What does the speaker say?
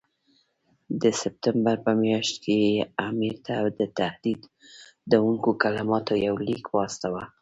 د سپټمبر په میاشت کې یې امیر ته د تهدیدوونکو کلماتو یو لیک واستاوه.